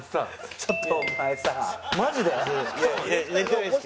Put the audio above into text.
ちょっと。